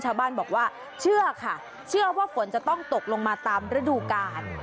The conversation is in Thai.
ชาวบ้านบอกว่าเชื่อค่ะเชื่อว่าฝนจะต้องตกลงมาตามฤดูกาล